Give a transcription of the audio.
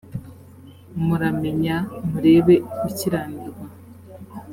muramenya murebe gukiranirwa